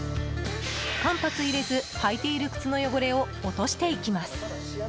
間髪入れず履いている靴の汚れを落としていきます。